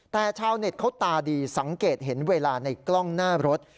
แต่ชาวเน็ตเขาตาดีสังเกตเห็นเวลาในกล้องหน้ารถ